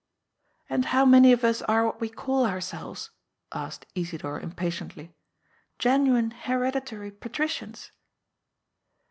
" "And how many of us are what we call ourselyes?" asked Isidor impatiently. "Genuine hereditary Patri cians